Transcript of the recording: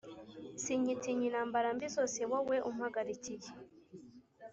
Singitinya intambara mbi zose wowe umpagarikiye